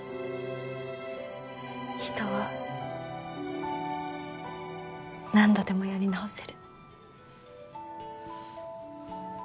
人は何度でもやり直せる。